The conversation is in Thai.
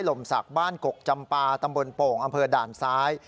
ลมศักดิ์บ้านกกจำปาตำบลโป่งอำเภอด่านซ้าย